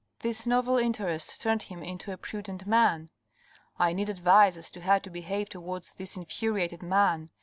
This novel interest turned him into a prudent man. " I need advice as to how to behave towards this infuriated man.